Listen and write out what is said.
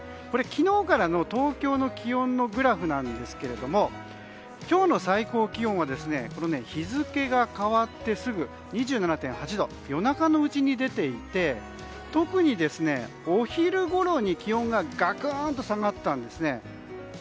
昨日からの東京の気温のグラフなんですけど今日の最高気温は日付が変わってすぐ２７．８度夜中のうちに出ていて特にお昼ごろに気温がガクンと下がったんですね。